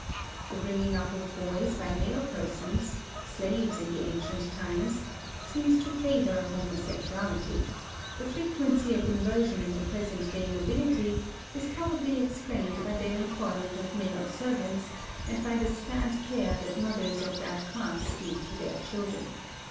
The bringing up of boys by male persons (slaves in the ancient times) seems to favor homosexuality; the frequency of inversion in the present day nobility is probably explained by their employment of male servants, and by the scant care that mothers of that class give to their children.